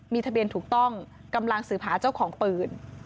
มีทะเบียนถูกต้องกำลังสืบหาเจ้าของปืน